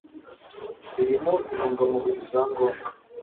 irimo intungamubiri za ngombwa